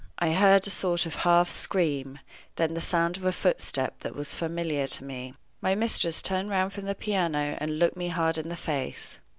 I heard a sort of half scream then the sound of a footstep that was familiar to me. My mistress turned round from the piano, and looked me hard in the face.